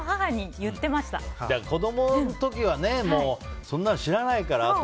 子供の時はそんなの知らないから。